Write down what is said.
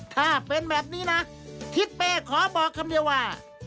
ถ้าเป็นแบบนี้นะทิศเป้ขอบอกคำเดียวว่า